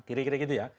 gira gira gitu ya